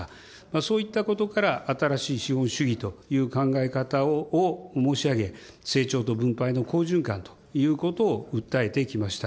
そういったことから、新しい資本主義という考え方を申し上げ、成長と分配の好循環ということを訴えてきました。